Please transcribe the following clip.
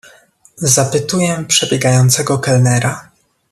"zapytuję przebiegającego kelnera."